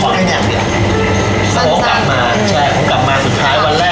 ผมขอแค่อย่างเดียวแล้วก็กลับมาแล้วก็กลับมาสุดท้ายวันแรก